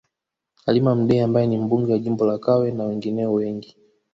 Halima Mdee ambaye ni Mbunge wa jimbo la Kawe na wengineo wengi